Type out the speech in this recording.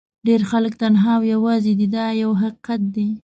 ډېر خلک تنها او یوازې دي دا یو حقیقت دی.